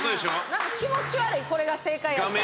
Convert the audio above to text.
なんか気持ち悪いこれが正解やったら。